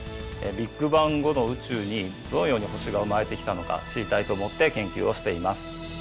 ビッグバン後の宇宙にどのように星が生まれてきたのか知りたいと思って研究をしています。